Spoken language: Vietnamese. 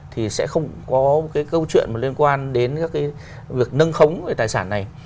thì sẽ không có cái câu chuyện mà liên quan đến các cái việc nâng khống về tài sản này